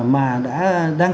mà đã đang